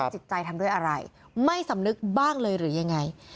จิตใจทำด้วยอะไรไม่สำนึกบ้างเลยหรือยังไง